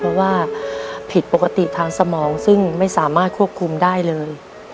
เพราะว่าผิดปกติทางสมองซึ่งไม่สามารถควบคุมได้เลย